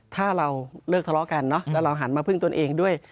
ถ้าเราเลิกทะเลาะกันเนอะแล้วเราหันมาพึ่งตนเองด้วย